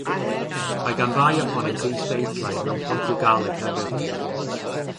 Mae gan rai ohonynt is-deitlau mewn Portiwgaleg hefyd.